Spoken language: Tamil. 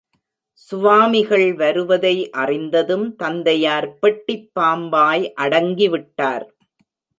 சுவாமிகள் வருவதை அறிந்ததும் தந்தையார் பெட்டிப் பாம்பாய் அடங்கிவிட்டார்.